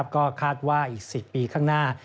ก็คาดว่าอีก๑๐ปีข้างหน้า